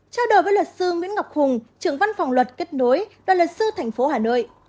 trao đổi với luật sư nguyễn ngọc hùng trưởng văn phòng luật kết nối đoàn luật sư thành phố hà nội